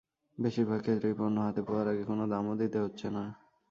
বেশির ভাগ ক্ষেত্রেই পণ্য হাতে পাওয়ার আগে কোনো দামও দিতে হচ্ছে না।